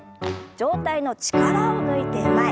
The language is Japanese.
上体の力を抜いて前。